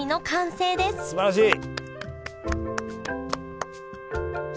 すばらしい！